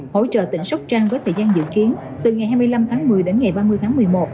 hỗ trợ tỉnh sóc trăng với thời gian dự kiến từ ngày hai mươi năm tháng một mươi đến ngày ba mươi tháng một mươi một